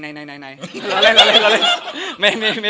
เราเล่นเราเล่นไม่ได้พิมพ์นะครับพูดเล่น